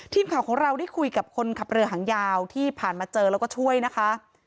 ทีมข่าวของเราได้คุยกับคนขับเรือหางยาวที่ผ่านมาเจอแล้วก็ช่วยนะคะ